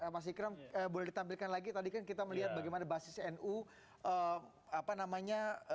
mas ikram boleh ditampilkan lagi tadi kan kita melihat bagaimana basis nu apa namanya